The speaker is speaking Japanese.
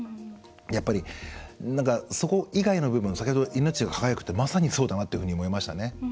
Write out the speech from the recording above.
やっぱり、そこ以外の部分先ほど、命が輝くってまさにそうだなっていうふうに思いましたね。